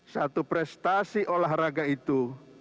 satu prestasi olahraga itu